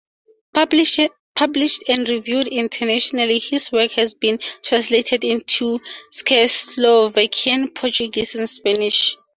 Published and reviewed internationally, his work has been translated into Czechoslovakian, Portuguese, and Spanish.